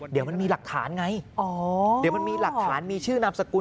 เดี๋ยวมันมีหลักฐานไงอ๋อเดี๋ยวมันมีหลักฐานมีชื่อนามสกุล